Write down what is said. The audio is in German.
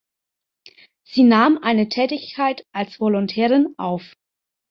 Sie nahm eine Tätigkeit als Volontärin auf.